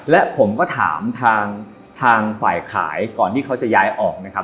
และผมก็ถามทางฝ่ายขายก่อนที่เขาจะย้ายออกนะครับ